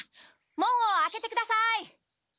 門を開けてください。